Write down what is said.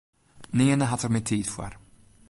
Nearne hat er mear tiid foar.